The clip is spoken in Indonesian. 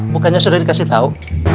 bukannya sudah dikasih tahu